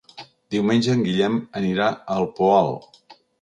Diumenge en Guillem anirà al Poal.